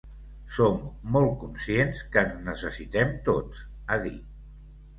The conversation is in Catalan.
Som molt conscients que ens necessitem tots –ha dit–.